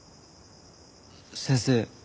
先生